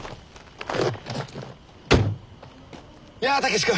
やあ武志君